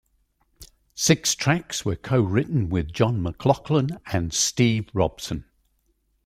Six tracks were co-written with John McLaughlin and Steve Robson.